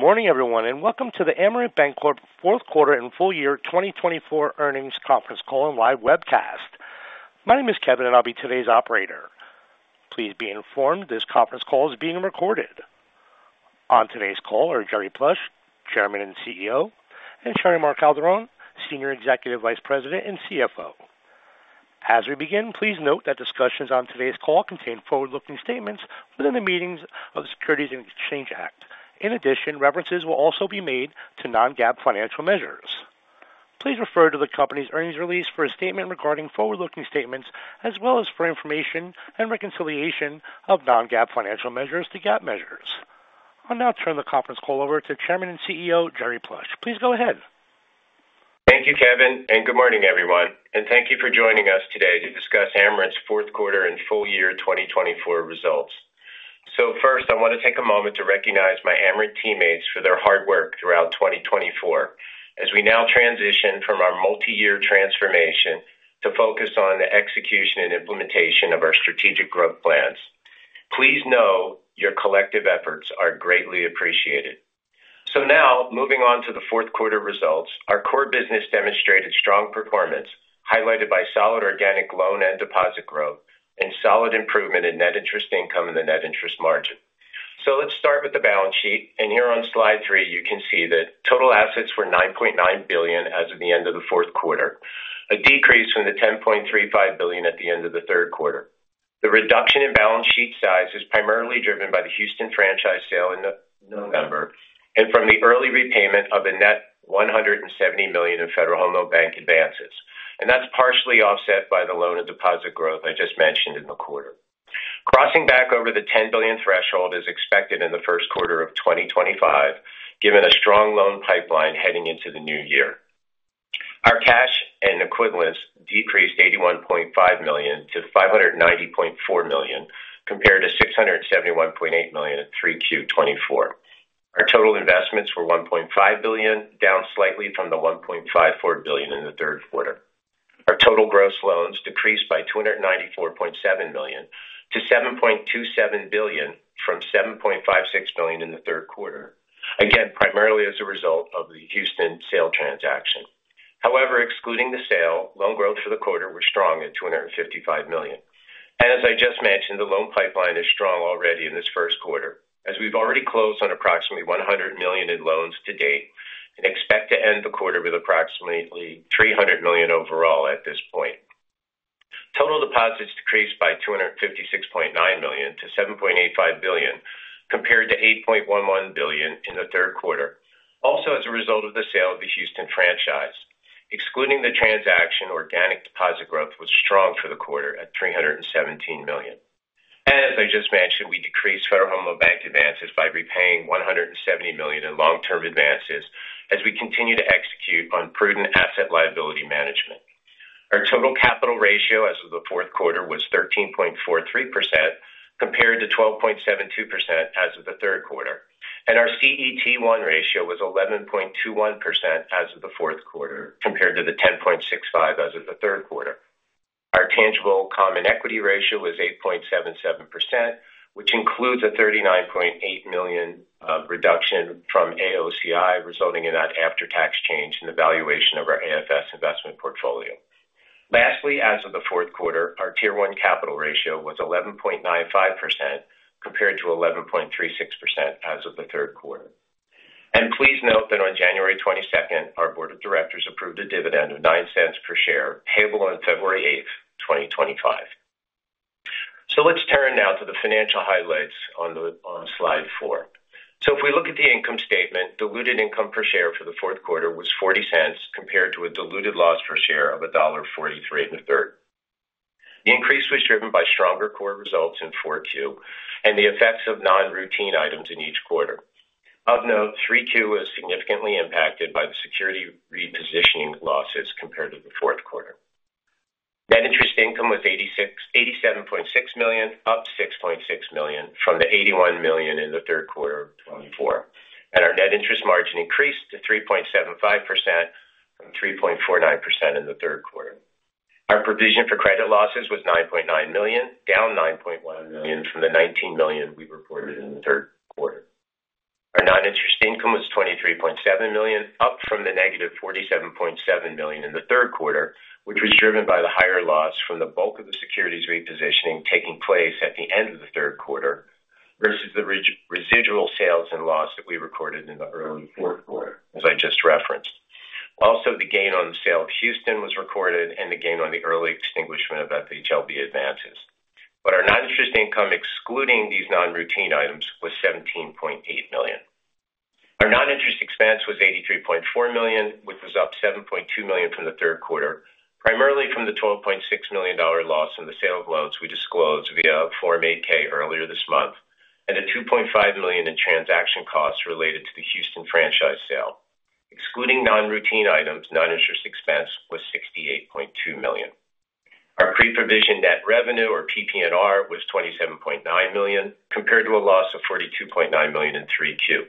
Good morning, everyone, and welcome to the Amerant Bancorp fourth quarter and full-year 2024 earnings conference call and live webcast. My name is Kevin, and I'll be today's operator. Please be informed this conference call is being recorded. On today's call are Jerry Plush, Chairman and CEO, and Sharymar Calderón, Senior Executive Vice President and CFO. As we begin, please note that discussions on today's call contain forward-looking statements within the meaning of the Securities Exchange Act. In addition, references will also be made to non-GAAP financial measures. Please refer to the company's earnings release for a statement regarding forward-looking statements, as well as for information and reconciliation of non-GAAP financial measures to GAAP measures. I'll now turn the conference call over to Chairman and CEO Jerry Plush. Please go ahead. Thank you, Kevin, and good morning, everyone. And thank you for joining us today to discuss Amerant's fourth quarter and full-year 2024 results. So first, I want to take a moment to recognize my Amerant teammates for their hard work throughout 2024, as we now transition from our multi-year transformation to focus on the execution and implementation of our strategic growth plans. Please know your collective efforts are greatly appreciated. So now, moving on to the fourth quarter results, our core business demonstrated strong performance, highlighted by solid organic loan and deposit growth, and solid improvement in net interest income and the net interest margin. So let's start with the balance sheet. And here on slide three, you can see that total assets were $9.9 billion as of the end of the fourth quarter, a decrease from the $10.35 billion at the end of the third quarter. The reduction in balance sheet size is primarily driven by the Houston franchise sale in November and from the early repayment of a net $170 million in Federal Home Loan Bank advances, and that's partially offset by the loan and deposit growth I just mentioned in the quarter. Crossing back over the $10 billion threshold is expected in the first quarter of 2025, given a strong loan pipeline heading into the new year. Our cash and equivalents decreased $81.5 million to $590.4 million, compared to $671.8 million in Q3 2024. Our total investments were $1.5 billion, down slightly from the $1.54 billion in the third quarter. Our total gross loans decreased by $294.7 million to $7.27 billion from $7.56 billion in the third quarter, again, primarily as a result of the Houston sale transaction. However, excluding the sale, loan growth for the quarter was strong at $255 million. As I just mentioned, the loan pipeline is strong already in this first quarter, as we've already closed on approximately $100 million in loans to date and expect to end the quarter with approximately $300 million overall at this point. Total deposits decreased by $256.9 million to $7.85 billion, compared to $8.11 billion in the third quarter, also as a result of the sale of the Houston franchise. Excluding the transaction, organic deposit growth was strong for the quarter at $317 million. As I just mentioned, we decreased Federal Home Loan Bank advances by repaying $170 million in long-term advances, as we continue to execute on prudent asset liability management. Our total capital ratio as of the fourth quarter was 13.43%, compared to 12.72% as of the third quarter. Our CET1 ratio was 11.21% as of the fourth quarter, compared to the 10.65% as of the third quarter. Our tangible common equity ratio was 8.77%, which includes a $39.8 million reduction from AOCI, resulting in that after-tax change in the valuation of our AFS investment portfolio. Lastly, as of the fourth quarter, our Tier 1 capital ratio was 11.95%, compared to 11.36% as of the third quarter. Please note that on January 22nd, our board of directors approved a dividend of $0.09 per share, payable on February 8th, 2025. Let's turn now to the financial highlights on slide four. If we look at the income statement, diluted income per share for the fourth quarter was $0.40, compared to a diluted loss per share of $1.43 in the third. The increase was driven by stronger core results in Q4 and the effects of non-routine items in each quarter. Of note, Q3 was significantly impacted by the securities repositioning losses compared to the fourth quarter. Net interest income was $87.6 million, up $6.6 million from the $81 million in the third quarter of 2024. Our net interest margin increased to 3.75% from 3.49% in the third quarter. Our provision for credit losses was $9.9 million, down $9.1 million from the $19 million we reported in the third quarter. Our non-interest income was $23.7 million, up from the negative $47.7 million in the third quarter, which was driven by the higher loss from the bulk of the securities repositioning taking place at the end of the third quarter versus the residual sales and loss that we recorded in the early fourth quarter, as I just referenced. Also, the gain on the sale of Houston was recorded and the gain on the early extinguishment of FHLB advances. But our non-interest income, excluding these non-routine items, was $17.8 million. Our non-interest expense was $83.4 million, which was up $7.2 million from the third quarter, primarily from the $12.6 million loss in the sale of loans we disclosed via Form 8-K earlier this month, and the $2.5 million in transaction costs related to the Houston franchise sale. Excluding non-routine items, non-interest expense was $68.2 million. Our pre-provision net revenue, or PPNR, was $27.9 million, compared to a loss of $42.9 million in Q3.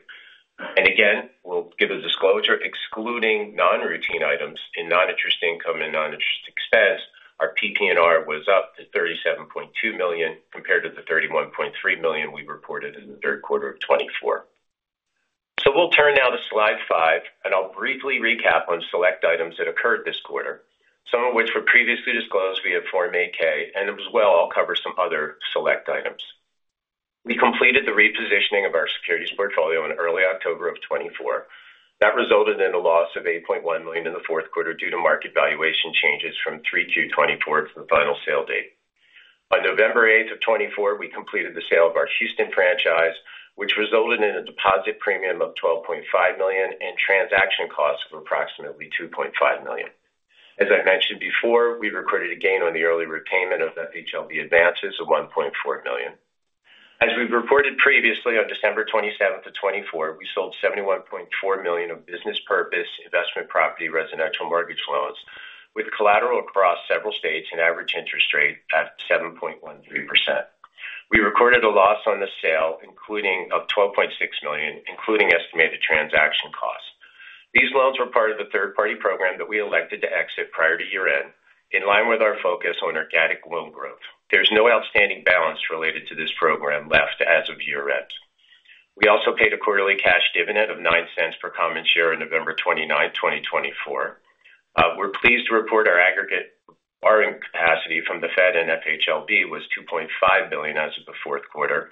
And again, we'll give a disclosure: excluding non-routine items in non-interest income and non-interest expense, our PPNR was up to $37.2 million, compared to the $31.3 million we reported in the third quarter of 2024. So we'll turn now to slide five, and I'll briefly recap on select items that occurred this quarter, some of which were previously disclosed via Form 8-K, and as well, I'll cover some other select items. We completed the repositioning of our securities portfolio in early October of 2024. That resulted in a loss of $8.1 million in the fourth quarter due to market valuation changes from 3Q 2024 to the final sale date. On November 8th of 2024, we completed the sale of our Houston franchise, which resulted in a deposit premium of $12.5 million and transaction costs of approximately $2.5 million. As I mentioned before, we recorded a gain on the early repayment of FHLB advances of $1.4 million. As we've reported previously, on December 27th, 2024, we sold $71.4 million of business purpose investment property residential mortgage loans with collateral across several states and average interest rate at 7.13%. We recorded a loss on the sale of $12.6 million, including estimated transaction costs. These loans were part of the third-party program that we elected to exit prior to year-end, in line with our focus on organic loan growth. There's no outstanding balance related to this program left as of year-end. We also paid a quarterly cash dividend of $0.09 per common share on November 29, 2024. We're pleased to report our aggregate borrowing capacity from the Fed and FHLB was $2.5 billion as of the fourth quarter,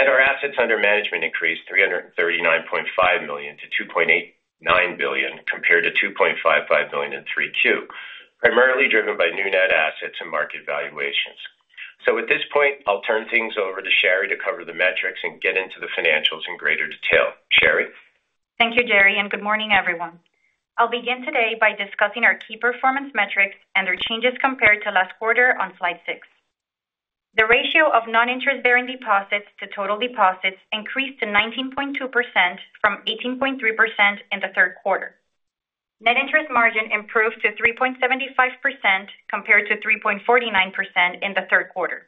and our assets under management increased $339.5 million to $2.89 billion, compared to $2.55 billion in Q3, primarily driven by new net assets and market valuations. So at this point, I'll turn things over to Shary to cover the metrics and get into the financials in greater detail. Shary? Thank you, Jerry, and good morning, everyone. I'll begin today by discussing our key performance metrics and our changes compared to last quarter on slide six. The ratio of non-interest-bearing deposits to total deposits increased to 19.2% from 18.3% in the third quarter. Net interest margin improved to 3.75% compared to 3.49% in the third quarter.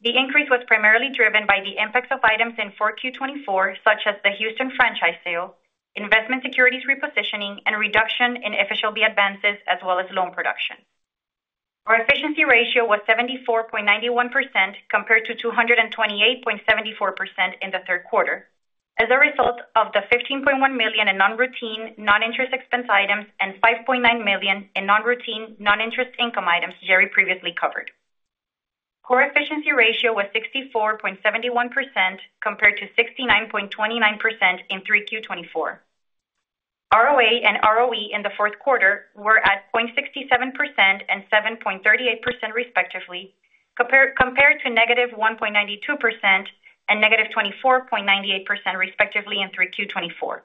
The increase was primarily driven by the impacts of items in 4Q 2024, such as the Houston franchise sale, investment securities repositioning, and reduction in FHLB advances, as well as loan production. Our efficiency ratio was 74.91% compared to 228.74% in the third quarter, as a result of the $15.1 million in non-routine non-interest expense items and $5.9 million in non-routine non-interest income items Jerry previously covered. Core efficiency ratio was 64.71% compared to 69.29% in 3Q 2024. ROA and ROE in the fourth quarter were at 0.67% and 7.38%, respectively, compared to -1.92% and -24.98%, respectively, in 3Q 2024.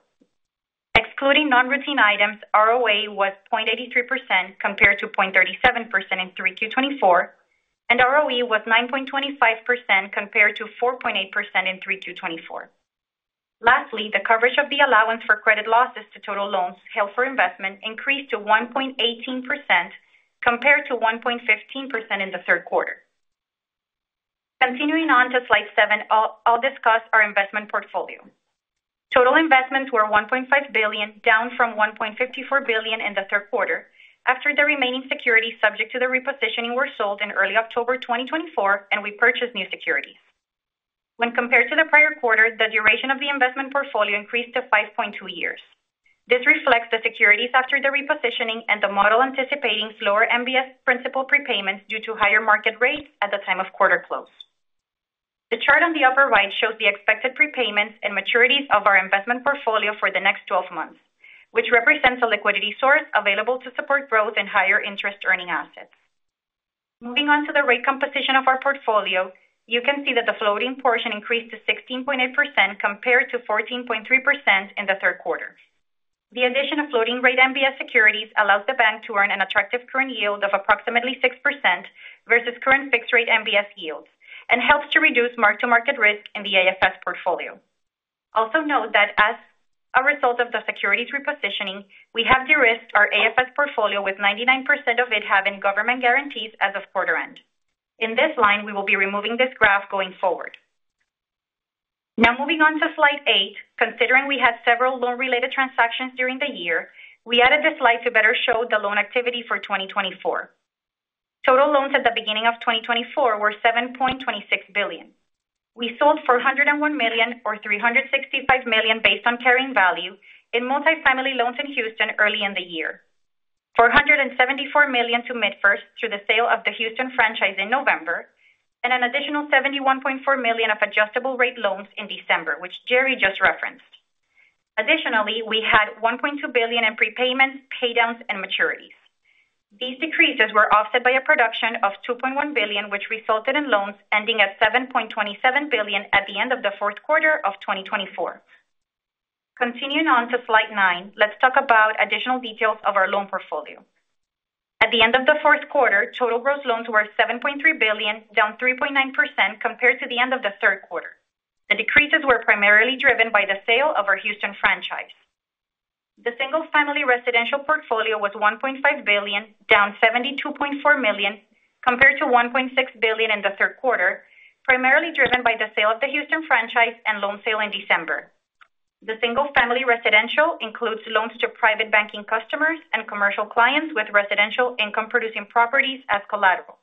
Excluding non-routine items, ROA was 0.83% compared to 0.37% in 3Q 2024, and ROE was 9.25% compared to 4.8% in 3Q 2024. Lastly, the coverage of the allowance for credit losses to total loans held for investment increased to 1.18% compared to 1.15% in the third quarter. Continuing on to slide seven, I'll discuss our investment portfolio. Total investments were $1.5 billion, down from $1.54 billion in the third quarter, after the remaining securities subject to the repositioning were sold in early October 2024, and we purchased new securities. When compared to the prior quarter, the duration of the investment portfolio increased to 5.2 years. This reflects the securities after the repositioning and the model anticipating slower MBS principal prepayments due to higher market rates at the time of quarter close. The chart on the upper right shows the expected prepayments and maturities of our investment portfolio for the next 12 months, which represents a liquidity source available to support growth in higher interest-earning assets. Moving on to the rate composition of our portfolio, you can see that the floating portion increased to 16.8% compared to 14.3% in the third quarter. The addition of floating-rate MBS securities allows the bank to earn an attractive current yield of approximately 6% versus current fixed-rate MBS yields and helps to reduce mark-to-market risk in the AFS portfolio. Also note that as a result of the securities repositioning, we have de-risked our AFS portfolio, with 99% of it having government guarantees as of quarter end. In this line, we will be removing this graph going forward. Now, moving on to slide eight, considering we had several loan-related transactions during the year, we added this slide to better show the loan activity for 2024. Total loans at the beginning of 2024 were $7.26 billion. We sold $401 million, or $365 million, based on carrying value, in multifamily loans in Houston early in the year, $474 million to MidFirst through the sale of the Houston franchise in November, and an additional $71.4 million of adjustable-rate loans in December, which Jerry just referenced. Additionally, we had $1.2 billion in prepayments, paydowns, and maturities. These decreases were offset by a production of $2.1 billion, which resulted in loans ending at $7.27 billion at the end of the fourth quarter of 2024. Continuing on to slide nine, let's talk about additional details of our loan portfolio. At the end of the fourth quarter, total gross loans were $7.3 billion, down 3.9%, compared to the end of the third quarter. The decreases were primarily driven by the sale of our Houston franchise. The single-family residential portfolio was $1.5 billion, down $72.4 million, compared to $1.6 billion in the third quarter, primarily driven by the sale of the Houston franchise and loan sale in December. The single-family residential includes loans to private banking customers and commercial clients with residential income-producing properties as collateral.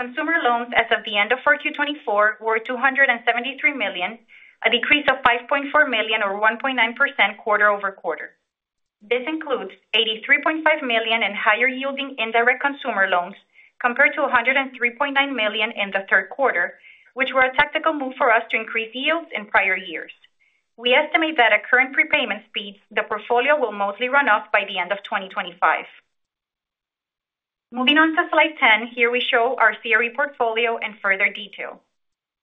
Consumer loans as of the end of 4Q 2024 were $273 million, a decrease of $5.4 million, or 1.9%, quarter-over-quarter. This includes $83.5 million in higher-yielding indirect consumer loans compared to $103.9 million in the third quarter, which were a tactical move for us to increase yields in prior years. We estimate that at current prepayment speeds, the portfolio will mostly run off by the end of 2025. Moving on to slide 10, here we show our CRE portfolio in further detail.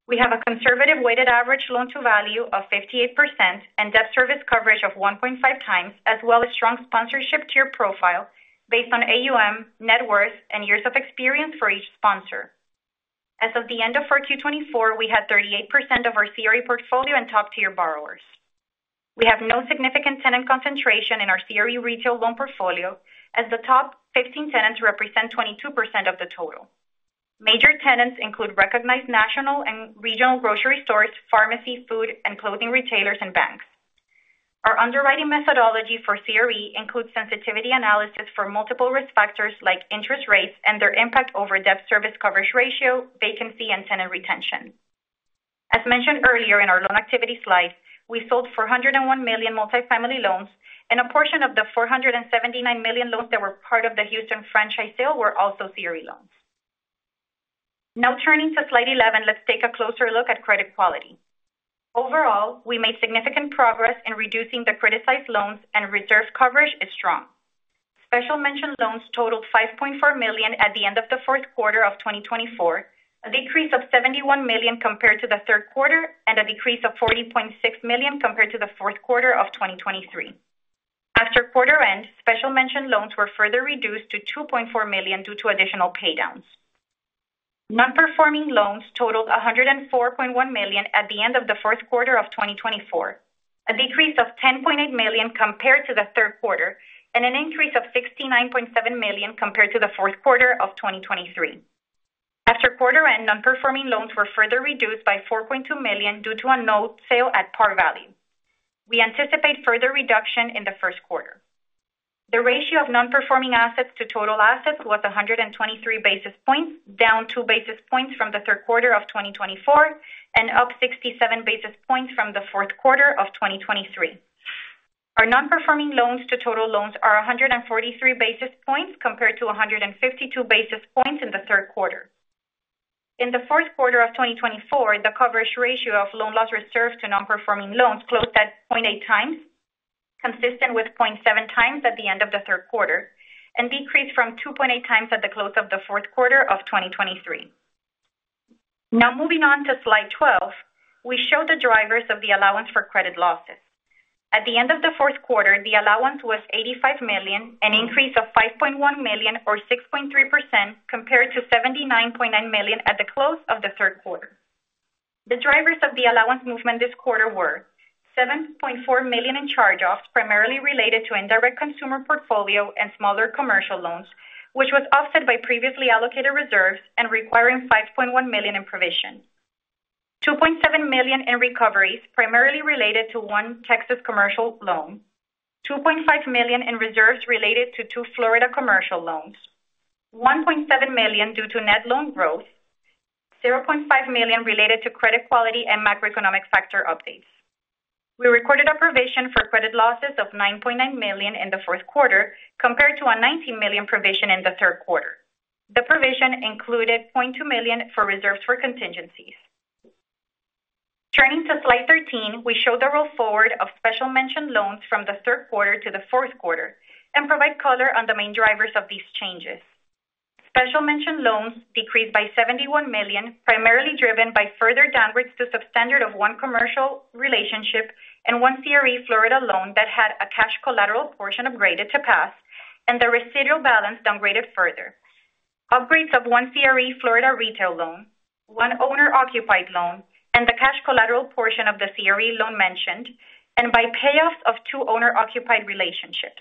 We have a conservative weighted average loan-to-value of 58% and debt service coverage of 1.5 times, as well as a strong sponsorship tier profile based on AUM, net worth, and years of experience for each sponsor. As of the end of 4Q 2024, we had 38% of our CRE portfolio in top-tier borrowers. We have no significant tenant concentration in our CRE retail loan portfolio, as the top 15 tenants represent 22% of the total. Major tenants include recognized national and regional grocery stores, pharmacy, food, and clothing retailers, and banks. Our underwriting methodology for CRE includes sensitivity analysis for multiple risk factors like interest rates and their impact over debt service coverage ratio, vacancy, and tenant retention. As mentioned earlier in our loan activity slide, we sold $401 million multifamily loans, and a portion of the $479 million loans that were part of the Houston franchise sale were also CRE loans. Now, turning to slide 11, let's take a closer look at credit quality. Overall, we made significant progress in reducing the criticized loans, and reserve coverage is strong. Special mention loans totaled $5.4 million at the end of the fourth quarter of 2024, a decrease of $71 million compared to the third quarter, and a decrease of $40.6 million compared to the fourth quarter of 2023. After quarter end, special mention loans were further reduced to $2.4 million due to additional paydowns. Non-performing loans totaled $104.1 million at the end of the fourth quarter of 2024, a decrease of $10.8 million compared to the third quarter, and an increase of $69.7 million compared to the fourth quarter of 2023. After quarter end, non-performing loans were further reduced by $4.2 million due to a note sale at par value. We anticipate further reduction in the first quarter. The ratio of non-performing assets to total assets was 123 basis points, down 2 basis points from the third quarter of 2024 and up 67 basis points from the fourth quarter of 2023. Our non-performing loans to total loans are 143 basis points compared to 152 basis points in the third quarter. In the fourth quarter of 2024, the coverage ratio of loan loss reserves to non-performing loans closed at 0.8 times, consistent with 0.7 times at the end of the third quarter, and decreased from 2.8 times at the close of the fourth quarter of 2023. Now, moving on to slide 12, we show the drivers of the allowance for credit losses. At the end of the fourth quarter, the allowance was $85 million, an increase of $5.1 million, or 6.3%, compared to $79.9 million at the close of the third quarter. The drivers of the allowance movement this quarter were $7.4 million in charge-offs, primarily related to indirect consumer portfolio and smaller commercial loans, which was offset by previously allocated reserves and requiring $5.1 million in provision. $2.7 million in recoveries, primarily related to one Texas commercial loan. $2.5 million in reserves related to two Florida commercial loans. $1.7 million due to net loan growth. $0.5 million related to credit quality and macroeconomic factor updates. We recorded a provision for credit losses of $9.9 million in the fourth quarter, compared to a $19 million provision in the third quarter. The provision included $0.2 million for reserves for contingencies. Turning to slide 13, we show the roll forward of special mention loans from the third quarter to the fourth quarter and provide color on the main drivers of these changes. Special mention loans decreased by $71 million, primarily driven by further downgrades to substandard of one commercial relationship and one CRE Florida loan that had a cash collateral portion upgraded to pass, and the residual balance downgraded further, upgrades of one CRE Florida retail loan, one owner-occupied loan, and the cash collateral portion of the CRE loan mentioned, and by payoffs of two owner-occupied relationships.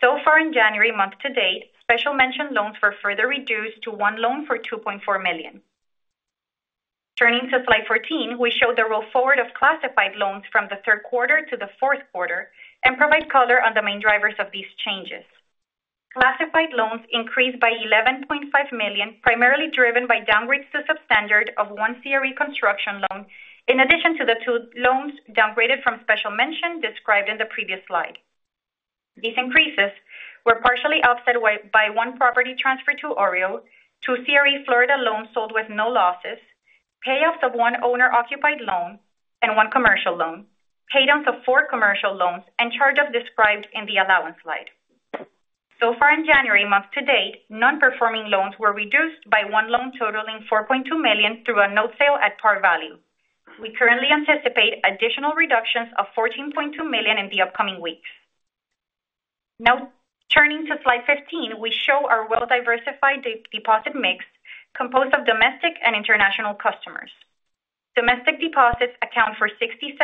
So far in January, month to date, special mention loans were further reduced to one loan for $2.4 million. Turning to slide 14, we show the roll forward of classified loans from the third quarter to the fourth quarter and provide color on the main drivers of these changes. Classified loans increased by $11.5 million, primarily driven by downgrades to substandard of one CRE construction loan, in addition to the two loans downgraded from special mention described in the previous slide. These increases were partially offset by one property transfer to OREO, two CRE Florida loans sold with no losses, payoffs of one owner-occupied loan and one commercial loan, paydowns of four commercial loans, and charge-offs described in the allowance slide. So far in January month to date, non-performing loans were reduced by one loan totaling $4.2 million through a note sale at par value. We currently anticipate additional reductions of $14.2 million in the upcoming weeks. Now, turning to slide 15, we show our well-diversified deposit mix composed of domestic and international customers. Domestic deposits account for 67%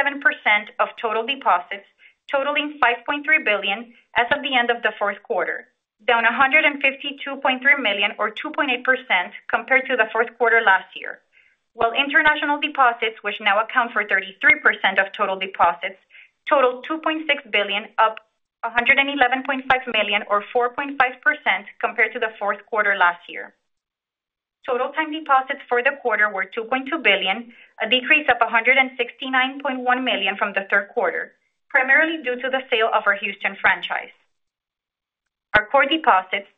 of total deposits, totaling $5.3 billion as of the end of the fourth quarter, down $152.3 million, or 2.8%, compared to the fourth quarter last year, while international deposits, which now account for 33% of total deposits, totaled $2.6 billion, up $111.5 million, or 4.5%, compared to the fourth quarter last year. Total time deposits for the quarter were $2.2 billion, a decrease of $169.1 million from the third quarter, primarily due to the sale of our Houston franchise. Our core deposits,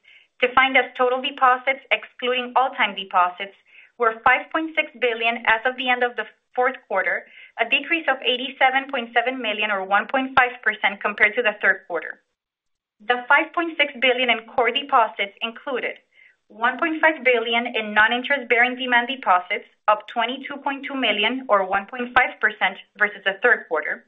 defined as total deposits excluding time deposits, were $5.6 billion as of the end of the fourth quarter, a decrease of $87.7 million, or 1.5%, compared to the third quarter. The $5.6 billion in core deposits included $1.5 billion in non-interest-bearing demand deposits, up $22.2 million, or 1.5%, versus the third quarter,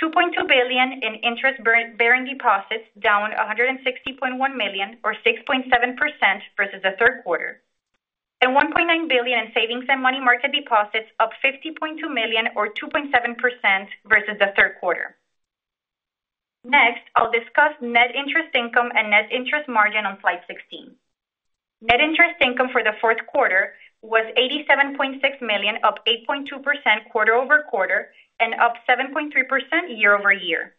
$2.2 billion in interest-bearing deposits, down $160.1 million, or 6.7%, versus the third quarter, and $1.9 billion in savings and money market deposits, up $50.2 million, or 2.7%, versus the third quarter. Next, I'll discuss net interest income and net interest margin on slide 16. Net interest income for the fourth quarter was $87.6 million, up 8.2% quarter-over-quarter and up 7.3% year-over-year.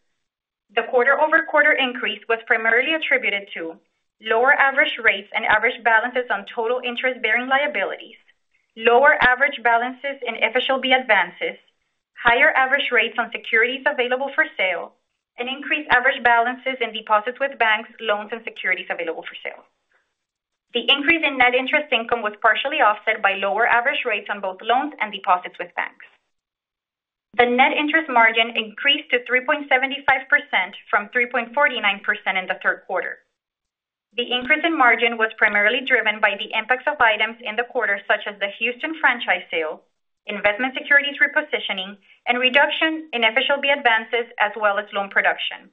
The quarter-over-quarter increase was primarily attributed to lower average rates and average balances on total interest-bearing liabilities, lower average balances in FHLB advances, higher average rates on securities available for sale, and increased average balances in deposits with banks, loans, and securities available for sale. The increase in net interest income was partially offset by lower average rates on both loans and deposits with banks. The net interest margin increased to 3.75% from 3.49% in the third quarter. The increase in margin was primarily driven by the impacts of items in the quarter, such as the Houston franchise sale, investment securities repositioning, and reduction in FHLB advances, as well as loan production.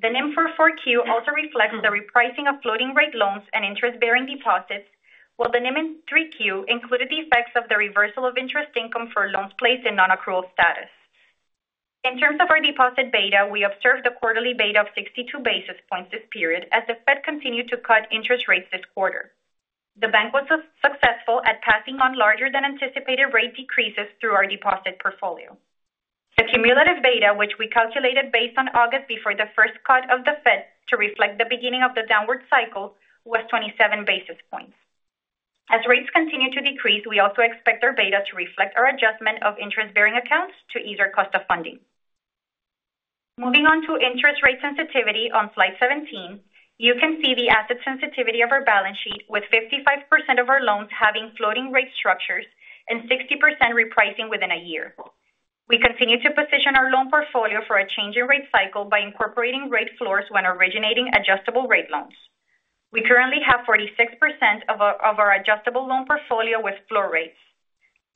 The NIM 4Q also reflects the repricing of floating-rate loans and interest-bearing deposits, while the NIM 3Q included the effects of the reversal of interest income for loans placed in non-accrual status. In terms of our deposit beta, we observed a quarterly beta of 62 basis points this period as the Fed continued to cut interest rates this quarter. The bank was successful at passing on larger-than-anticipated rate decreases through our deposit portfolio. The cumulative beta, which we calculated based on August before the first cut of the Fed to reflect the beginning of the downward cycle, was 27 basis points. As rates continue to decrease, we also expect our beta to reflect our adjustment of interest-bearing accounts to ease our cost of funding. Moving on to interest rate sensitivity on slide 17, you can see the asset sensitivity of our balance sheet, with 55% of our loans having floating-rate structures and 60% repricing within a year. We continue to position our loan portfolio for a change in rate cycle by incorporating rate floors when originating adjustable-rate loans. We currently have 46% of our adjustable loan portfolio with floor rates.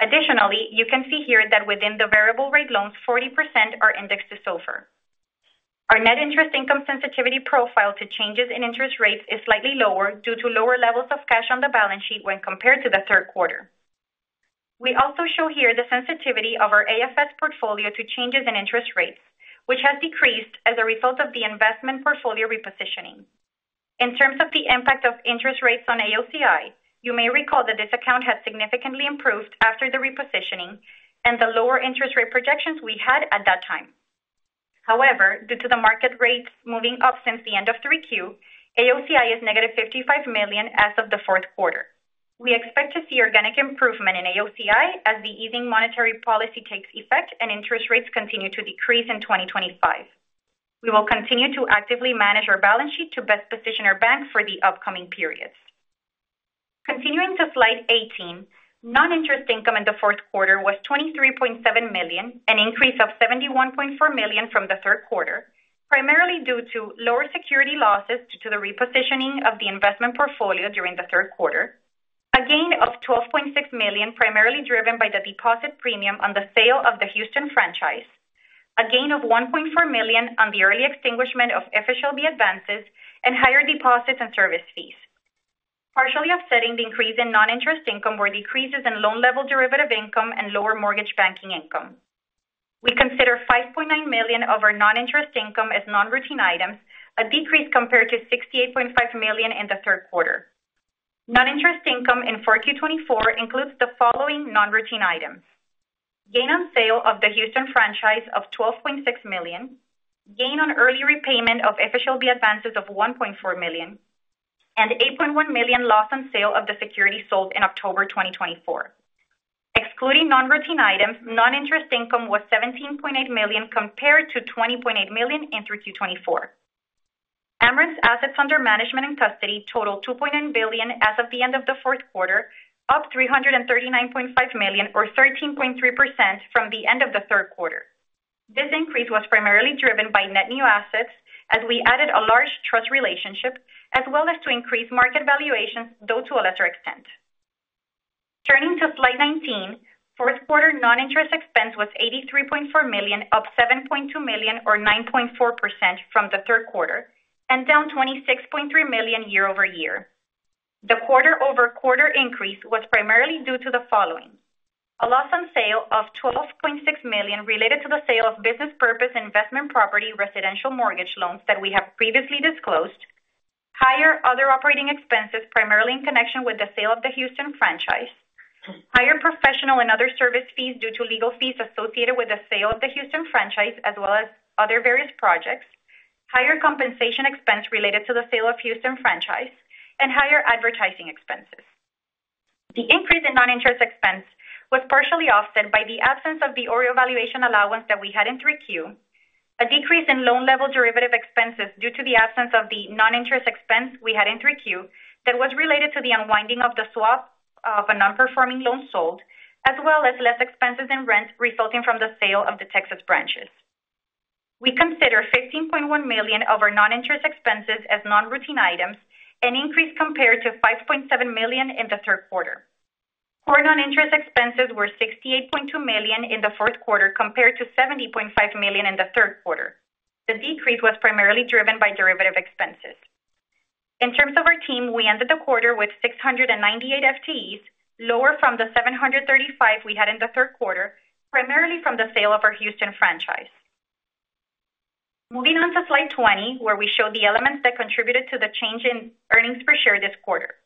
Additionally, you can see here that within the variable-rate loans, 40% are indexed to SOFR. Our net interest income sensitivity profile to changes in interest rates is slightly lower due to lower levels of cash on the balance sheet when compared to the third quarter. We also show here the sensitivity of our AFS portfolio to changes in interest rates, which has decreased as a result of the investment portfolio repositioning. In terms of the impact of interest rates on AOCI, you may recall that this account had significantly improved after the repositioning and the lower interest rate projections we had at that time. However, due to the market rates moving up since the end of 3Q, AOCI is -$55 million as of the fourth quarter. We expect to see organic improvement in AOCI as the easing monetary policy takes effect and interest rates continue to decrease in 2025. We will continue to actively manage our balance sheet to best position our bank for the upcoming periods. Continuing to slide 18, non-interest income in the fourth quarter was $23.7 million, an increase of $71.4 million from the third quarter, primarily due to lower security losses due to the repositioning of the investment portfolio during the third quarter, a gain of $12.6 million, primarily driven by the deposit premium on the sale of the Houston franchise, a gain of $1.4 million on the early extinguishment of FHLB advances, and higher deposits and service fees. Partially offsetting the increase in non-interest income were decreases in loan-level derivative income and lower mortgage banking income. We consider $5.9 million of our non-interest income as non-routine items, a decrease compared to $68.5 million in the third quarter. Non-interest income in 4Q 2024 includes the following non-routine items: gain on sale of the Houston franchise of $12.6 million, gain on early repayment of FHLB advances of $1.4 million, and $8.1 million loss on sale of the security sold in October 2024. Excluding non-routine items, non-interest income was $17.8 million compared to $20.8 million in 3Q 2024. Amerant's assets under management and custody totaled $2.9 billion as of the end of the fourth quarter, up $339.5 million, or 13.3%, from the end of the third quarter. This increase was primarily driven by net new assets as we added a large trust relationship, as well as to increase market valuations, though to a lesser extent. Turning to slide 19, fourth quarter non-interest expense was $83.4 million, up $7.2 million, or 9.4%, from the third quarter, and down $26.3 million year-over-year. The quarter-over-quarter increase was primarily due to the following: a loss on sale of $12.6 million related to the sale of business purpose investment property residential mortgage loans that we have previously disclosed, higher other operating expenses, primarily in connection with the sale of the Houston franchise, higher professional and other service fees due to legal fees associated with the sale of the Houston franchise, as well as other various projects, higher compensation expense related to the sale of Houston franchise, and higher advertising expenses. The increase in non-interest expense was partially offset by the absence of the OREO valuation allowance that we had in 3Q, a decrease in loan-level derivative expenses due to the absence of the non-interest expense we had in 3Q that was related to the unwinding of the swap of a non-performing loan sold, as well as less expenses in rent resulting from the sale of the Texas branches. We consider $15.1 million of our non-interest expenses as non-routine items, an increase compared to $5.7 million in the third quarter. Core non-interest expenses were $68.2 million in the fourth quarter, compared to $70.5 million in the third quarter. The decrease was primarily driven by derivative expenses. In terms of our team, we ended the quarter with 698 FTEs, lower from the 735 we had in the third quarter, primarily from the sale of our Houston franchise. Moving on to slide 20, where we show the elements that contributed to the change in earnings per share this quarter.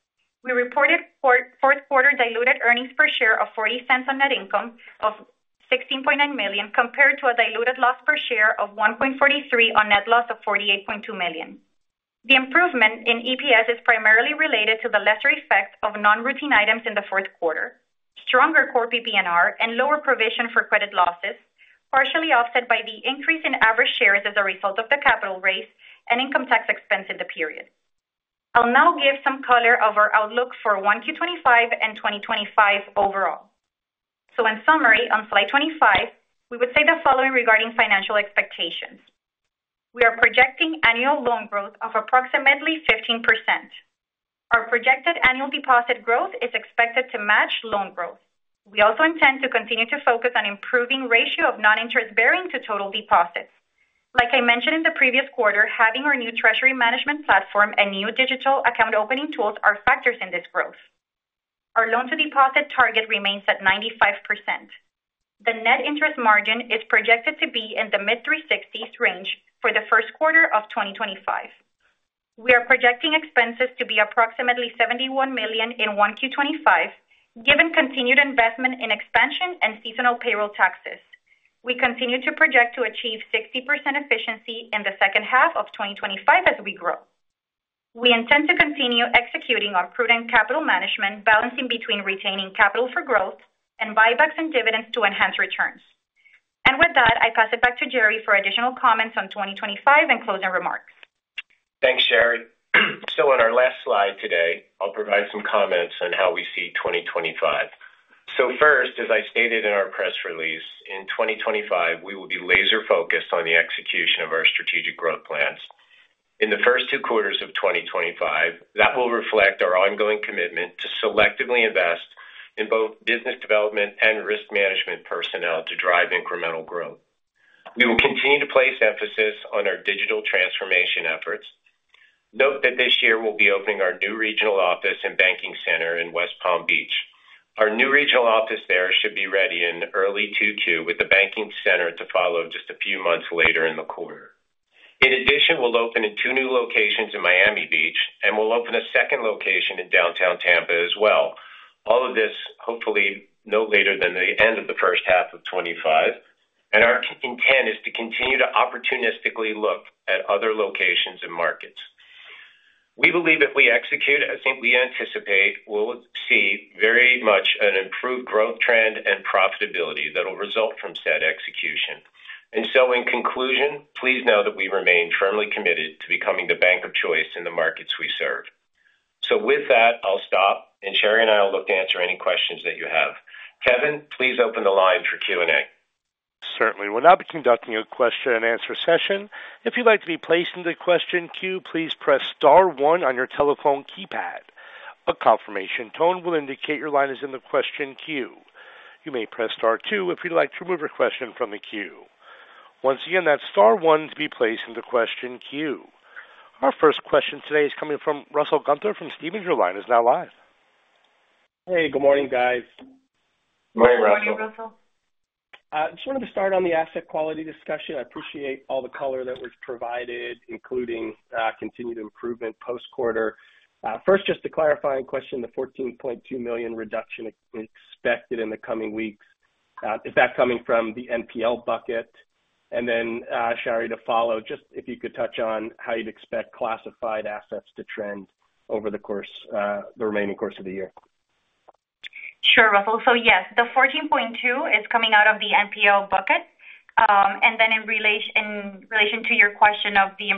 We reported fourth quarter diluted earnings per share of $0.40 on net income of $16.9 million, compared to a diluted loss per share of $1.43 on net loss of $48.2 million. The improvement in EPS is primarily related to the lesser effect of non-routine items in the fourth quarter, stronger core PPNR, and lower provision for credit losses, partially offset by the increase in average shares as a result of the capital raise and income tax expense in the period. I'll now give some color of our outlook for 1Q 2025 and 2025 overall. So, in summary, on slide 25, we would say the following regarding financial expectations. We are projecting annual loan growth of approximately 15%. Our projected annual deposit growth is expected to match loan growth. We also intend to continue to focus on improving the ratio of non-interest-bearing to total deposits. Like I mentioned in the previous quarter, having our new treasury management platform and new digital account opening tools are factors in this growth. Our loan-to-deposit target remains at 95%. The net interest margin is projected to be in the mid-360s range for the first quarter of 2025. We are projecting expenses to be approximately $71 million in 1Q 2025, given continued investment in expansion and seasonal payroll taxes. We continue to project to achieve 60% efficiency in the second half of 2025 as we grow. We intend to continue executing our prudent capital management, balancing between retaining capital for growth and buybacks and dividends to enhance returns. And with that, I pass it back to Jerry for additional comments on 2025 and closing remarks. Thanks, Shary. On our last slide today, I'll provide some comments on how we see 2025. First, as I stated in our press release, in 2025, we will be laser-focused on the execution of our strategic growth plans. In the first two quarters of 2025, that will reflect our ongoing commitment to selectively invest in both business development and risk management personnel to drive incremental growth. We will continue to place emphasis on our digital transformation efforts. Note that this year we'll be opening our new regional office and banking center in West Palm Beach. Our new regional office there should be ready in early 2Q, with the banking center to follow just a few months later in the quarter. In addition, we'll open in two new locations in Miami Beach, and we'll open a second location in downtown Tampa as well. All of this, hopefully, no later than the end of the first half of 2025. And our intent is to continue to opportunistically look at other locations and markets. We believe if we execute as we anticipate, we'll see very much an improved growth trend and profitability that will result from said execution. And so, in conclusion, please know that we remain firmly committed to becoming the bank of choice in the markets we serve. So, with that, I'll stop, and Shary and I will look to answer any questions that you have. Kevin, please open the line for Q&A. Certainly. We'll now be conducting a question-and-answer session. If you'd like to be placed in the question queue, please press star one on your telephone keypad. A confirmation tone will indicate your line is in the question queue. You may press star two if you'd like to remove your question from the queue. Once again, that's star one to be placed in the question queue. Our first question today is coming from Russell Gunther from Stephens. Your line is now live. Hey, good morning, guys. Good morning, Russell. Good morning, Russell. Just wanted to start on the asset quality discussion. I appreciate all the color that was provided, including continued improvement post-quarter. First, just a clarifying question: the $14.2 million reduction expected in the coming weeks, is that coming from the NPL bucket? And then, Shary, to follow, just if you could touch on how you'd expect classified assets to trend over the remaining course of the year. Sure, Russell. So, yes, the $14.2 million is coming out of the NPL bucket. And then, in relation to your question of the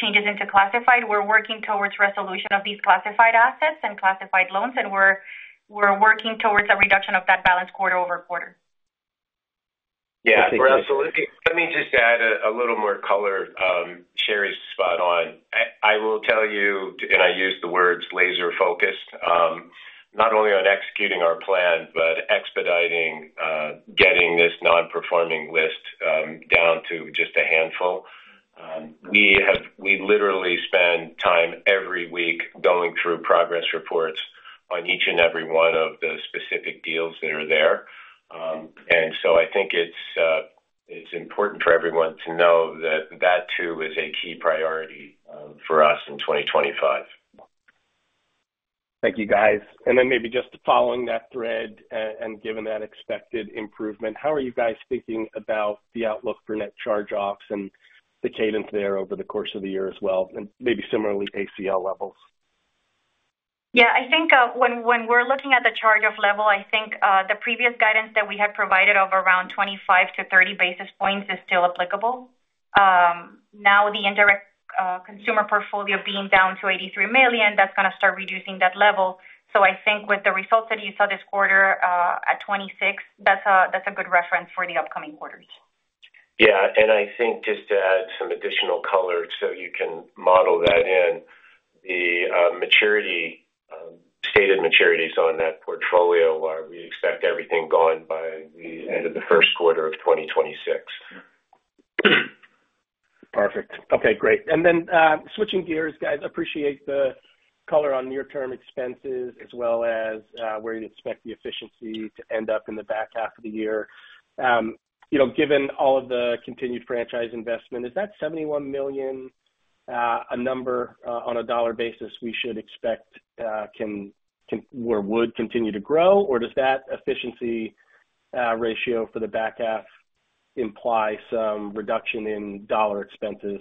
changes into classified, we're working towards resolution of these classified assets and classified loans, and we're working towards a reduction of that balance quarter-over-quarter. Yeah, Russell. Let me just add a little more color. Shary's spot on. I will tell you, and I use the words laser-focused, not only on executing our plan, but expediting getting this non-performing list down to just a handful. We literally spend time every week going through progress reports on each and every one of the specific deals that are there, and so, I think it's important for everyone to know that that, too, is a key priority for us in 2025. Thank you, guys. And then, maybe just following that thread and given that expected improvement, how are you guys thinking about the outlook for net charge-offs and the cadence there over the course of the year as well, and maybe similarly ACL levels? Yeah, I think when we're looking at the charge-off level, I think the previous guidance that we had provided of around 25-30 basis points is still applicable. Now, the indirect consumer portfolio being down to $83 million, that's going to start reducing that level. So, I think with the results that you saw this quarter at 26, that's a good reference for the upcoming quarters. Yeah. And I think just to add some additional color so you can model that in, the stated maturities on that portfolio are; we expect everything gone by the end of the first quarter of 2026. Perfect. Okay, great. And then, switching gears, guys, I appreciate the color on near-term expenses, as well as where you'd expect the efficiency to end up in the back half of the year. Given all of the continued franchise investment, is that $71 million a number on a dollar basis we should expect can or would continue to grow, or does that efficiency ratio for the back half imply some reduction in dollar expenses,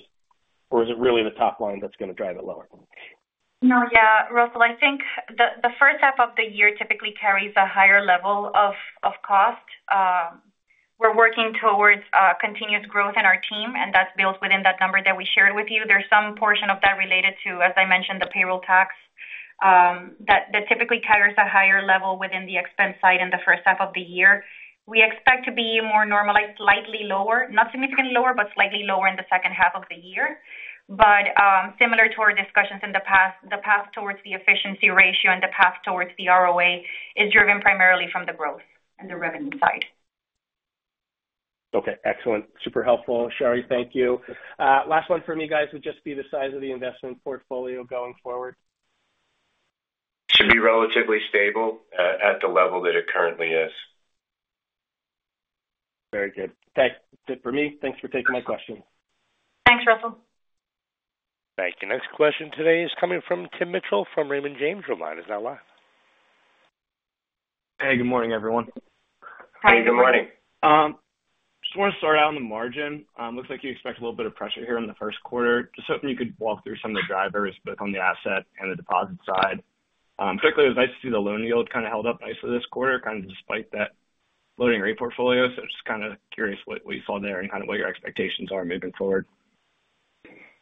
or is it really the top line that's going to drive it lower? No, yeah, Russell, I think the first half of the year typically carries a higher level of cost. We're working towards continuous growth in our team, and that's built within that number that we shared with you. There's some portion of that related to, as I mentioned, the payroll tax that typically carries a higher level within the expense side in the first half of the year. We expect to be more normalized, slightly lower, not significantly lower, but slightly lower in the second half of the year. But similar to our discussions in the past, the path towards the efficiency ratio and the path towards the ROA is driven primarily from the growth and the revenue side. Okay, excellent. Super helpful. Shary, thank you. Last one from you guys would just be the size of the investment portfolio going forward. Should be relatively stable at the level that it currently is. Very good. That's it for me. Thanks for taking my questions. Thanks, Russell. Thank you. Next question today is coming from Tim Mitchell from Raymond James. Your line is now live. Hey, good morning, everyone. Hey, good morning. Just want to start out on the margin. Looks like you expect a little bit of pressure here in the first quarter. Just hoping you could walk through some of the drivers both on the asset and the deposit side. Quickly, it was nice to see the loan yield kind of held up nicely this quarter, kind of despite that low-rate portfolio. So, just kind of curious what you saw there and kind of what your expectations are moving forward.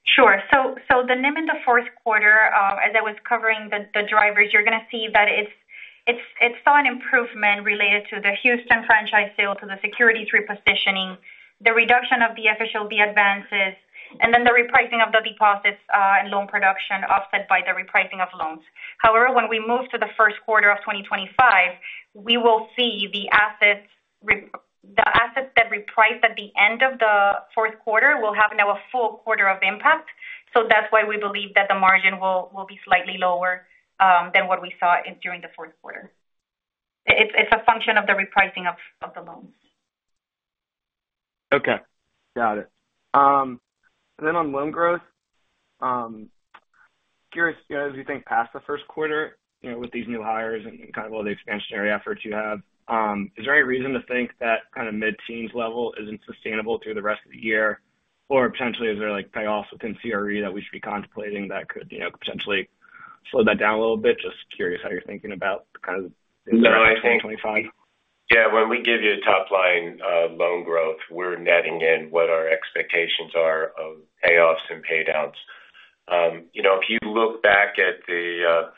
Sure. So, the NIM in the fourth quarter, as I was covering the drivers, you're going to see that it saw an improvement related to the Houston franchise sale, to the securities repositioning, the reduction of the FHLB advances, and then the repricing of the deposits and loan production offset by the repricing of loans. However, when we move to the first quarter of 2025, we will see the assets that repriced at the end of the fourth quarter will have now a full quarter of impact. So, that's why we believe that the margin will be slightly lower than what we saw during the fourth quarter. It's a function of the repricing of the loans. Okay. Got it. And then on loan growth, curious, as you think past the first quarter, with these new hires and kind of all the expansionary efforts you have, is there any reason to think that kind of mid-teens level isn't sustainable through the rest of the year, or potentially is there payoffs within CRE that we should be contemplating that could potentially slow that down a little bit? Just curious how you're thinking about kind of things in 2025. Yeah, when we give you a top line loan growth, we're netting in what our expectations are of payoffs and paydowns. If you look back at the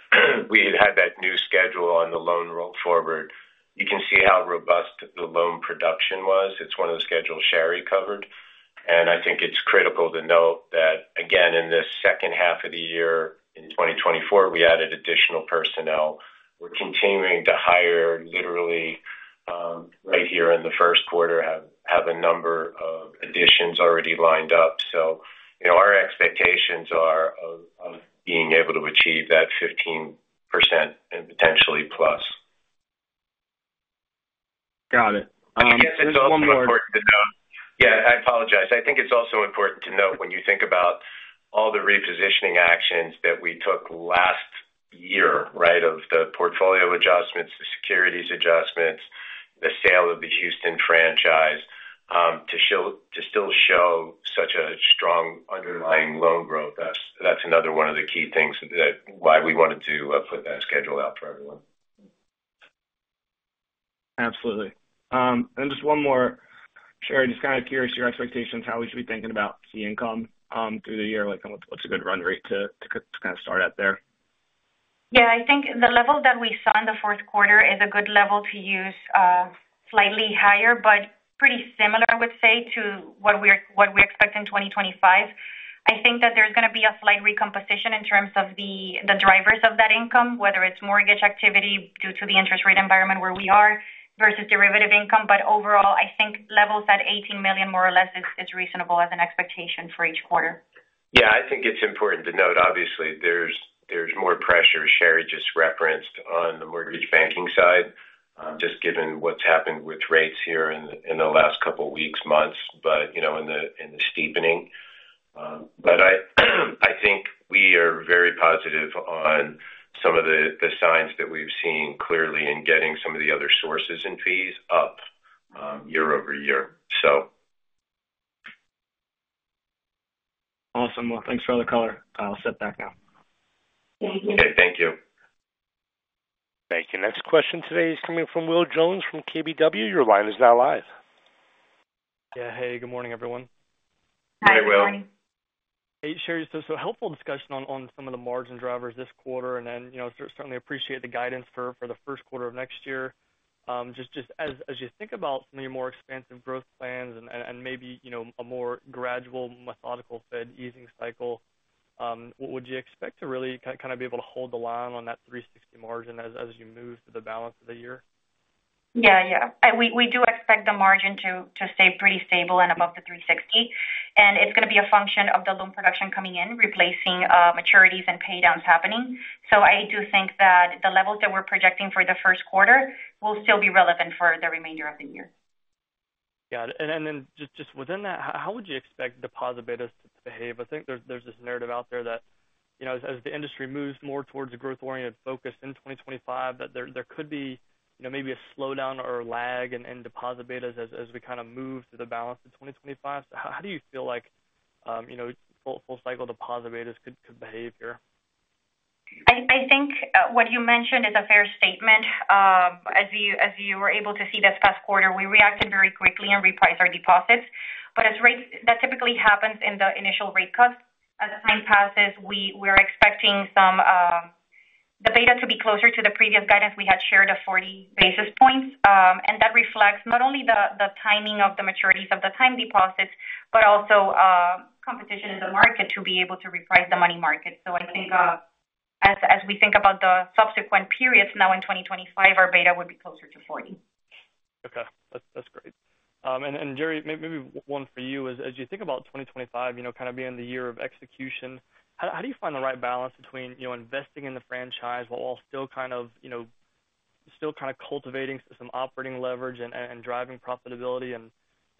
we had that new schedule on the loan rolled forward, you can see how robust the loan production was. It's one of the schedules Shary covered. And I think it's critical to note that, again, in this second half of the year in 2024, we added additional personnel. We're continuing to hire literally right here in the first quarter, have a number of additions already lined up. So, our expectations are of being able to achieve that 15% and potentially plus. Got it. I think it's also important to note yeah, I apologize. I think it's also important to note when you think about all the repositioning actions that we took last year, right, of the portfolio adjustments, the securities adjustments, the sale of the Houston franchise, to still show such a strong underlying loan growth. That's another one of the key things that's why we wanted to put that schedule out for everyone. Absolutely. And just one more, Shary, just kind of curious your expectations, how we should be thinking about the income through the year, what's a good run rate to kind of start at there? Yeah, I think the level that we saw in the fourth quarter is a good level to use, slightly higher, but pretty similar, I would say, to what we expect in 2025. I think that there's going to be a slight recomposition in terms of the drivers of that income, whether it's mortgage activity due to the interest rate environment where we are versus derivative income. But overall, I think levels at $18 million, more or less, is reasonable as an expectation for each quarter. Yeah, I think it's important to note, obviously, there's more pressure, Shary just referenced, on the mortgage banking side, just given what's happened with rates here in the last couple of weeks, months, but in the steepening. But I think we are very positive on some of the signs that we've seen clearly in getting some of the other sources and fees up year-over-year, so. Awesome. Well, thanks for all the color. I'll sit back now. Thank you. Okay, thank you. Thank you. Next question today is coming from Will Jones from KBW. Your line is now live. Yeah, hey, good morning, everyone. Hey, Will. Hi, good morning. Hey, Shary. So, helpful discussion on some of the margin drivers this quarter, and then certainly appreciate the guidance for the first quarter of next year. Just as you think about some of your more expansive growth plans and maybe a more gradual methodical Fed easing cycle, what would you expect to really kind of be able to hold the line on that 360 margin as you move to the balance of the year? Yeah, yeah. We do expect the margin to stay pretty stable and above the 360. And it's going to be a function of the loan production coming in, replacing maturities and paydowns happening. So, I do think that the levels that we're projecting for the first quarter will still be relevant for the remainder of the year. Yeah. And then just within that, how would you expect deposit betas to behave? I think there's this narrative out there that as the industry moves more towards a growth-oriented focus in 2025, that there could be maybe a slowdown or a lag in deposit betas as we kind of move to the balance of 2025. So, how do you feel like full-cycle deposit betas could behave here? I think what you mentioned is a fair statement. As you were able to see this past quarter, we reacted very quickly and repriced our deposits. But as rates, that typically happens in the initial rate cuts. As time passes, we are expecting the beta to be closer to the previous guidance we had shared of 40 basis points. And that reflects not only the timing of the maturities of the time deposits, but also competition in the market to be able to reprice the money market. So, I think as we think about the subsequent periods now in 2025, our beta would be closer to 40. Okay. That's great. And, Jerry, maybe one for you. As you think about 2025 kind of being the year of execution, how do you find the right balance between investing in the franchise while still kind of cultivating some operating leverage and driving profitability? And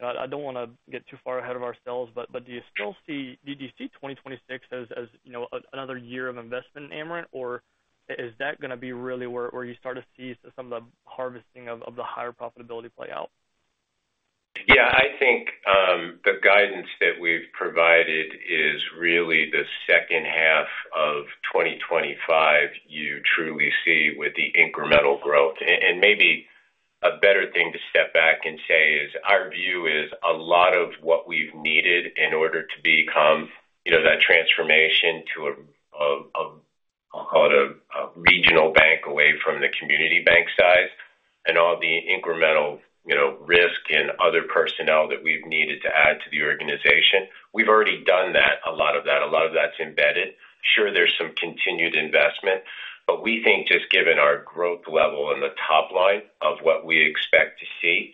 I don't want to get too far ahead of ourselves, but do you still see 2026 as another year of investment in Amerant, or is that going to be really where you start to see some of the harvesting of the higher profitability play out? Yeah, I think the guidance that we've provided is really the second half of 2025 you truly see with the incremental growth. And maybe a better thing to step back and say is our view is a lot of what we've needed in order to become that transformation to a, I'll call it a regional bank away from the community bank size and all the incremental risk and other personnel that we've needed to add to the organization. We've already done that, a lot of that. A lot of that's embedded. Sure, there's some continued investment, but we think just given our growth level and the top line of what we expect to see,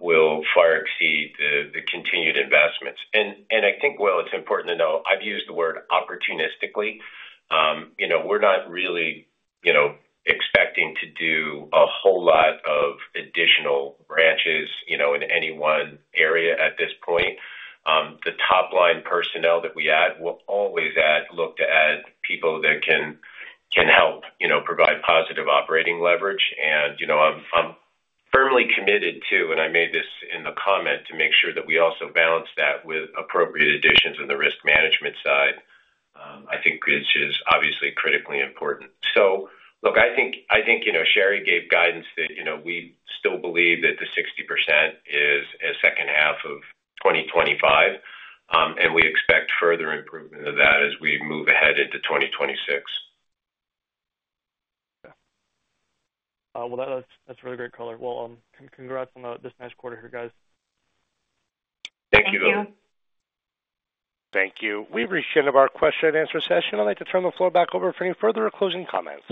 we'll far exceed the continued investments. And I think, Will, it's important to know I've used the word opportunistically. We're not really expecting to do a whole lot of additional branches in any one area at this point. The top line personnel that we add will always look to add people that can help provide positive operating leverage. And I'm firmly committed to, and I made this in the comment, to make sure that we also balance that with appropriate additions on the risk management side. I think it's just obviously critically important. So, look, I think Shary gave guidance that we still believe that the 60% is a second half of 2025, and we expect further improvement of that as we move ahead into 2026. Well, that's really great color. Well, congrats on this next quarter here, guys. Thank you, Will. Thank you. Thank you. We've reached the end of our question-and-answer session. I'd like to turn the floor back over for any further closing comments.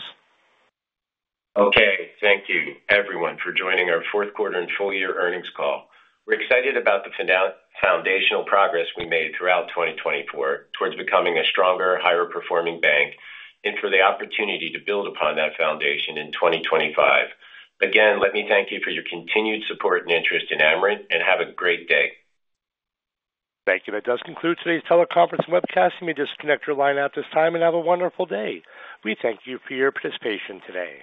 Okay. Thank you, everyone, for joining our fourth quarter and full-year earnings call. We're excited about the foundational progress we made throughout 2024 towards becoming a stronger, higher performing bank and for the opportunity to build upon that foundation in 2025. Again, let me thank you for your continued support and interest in Amerant, and have a great day. Thank you. That does conclude today's teleconference and webcast. You may just connect your line out this time and have a wonderful day. We thank you for your participation today.